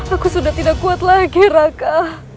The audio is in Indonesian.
aku sudah tidak kuat lagi raka